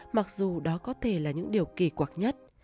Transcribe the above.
mặc dù đó có thể là những điều kỳ quạt nhất